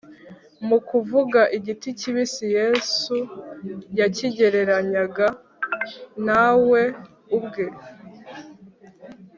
mu kuvuga igiti kibisi, yesu yakigereranyaga na we ubwe,